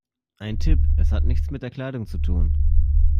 Ein Tipp: Es hat nichts mit der Kleidung zu tun.